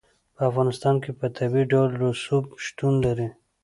په افغانستان کې په طبیعي ډول رسوب شتون لري.